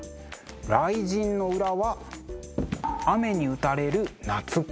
雷神の裏は雨に打たれる夏草。